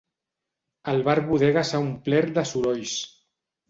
El bar-bodega s'ha omplert de sorolls.